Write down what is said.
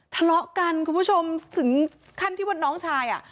ทะเลาะกันคุณผู้ชมถึงขั้นที่ว่าน้องชายอ่ะ